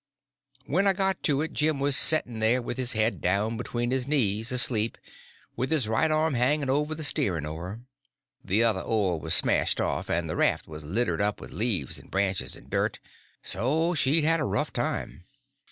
When I got to it Jim was setting there with his head down between his knees, asleep, with his right arm hanging over the steering oar. The other oar was smashed off, and the raft was littered up with leaves and branches and dirt. So she'd had a rough time.